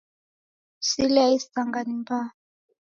Sile ya isanga ni mbaa